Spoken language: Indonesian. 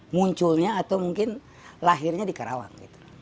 munculnya atau mungkin lahirnya di karawang